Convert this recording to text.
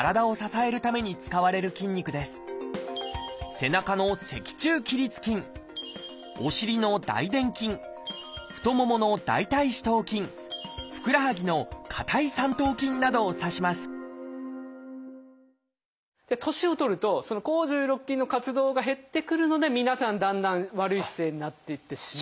背中の脊柱起立筋お尻の大臀筋太ももの大腿四等筋ふくらはぎの下腿三等筋などを指します年を取るとその抗重力筋の活動が減ってくるので皆さんだんだん悪い姿勢になっていってしまう。